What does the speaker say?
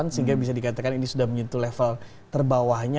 sehingga bisa dikatakan ini sudah menyentuh level terbawahnya